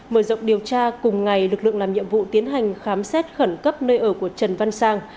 mở rộng điều tra cùng ngày lực lượng làm nhiệm vụ tiến hành khám xét khẩn cấp nơi ở của trần văn sang